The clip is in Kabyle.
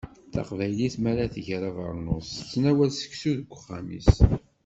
Taqbaylit mi ara tger abernus, tettnawal seksu deg uxxam-is.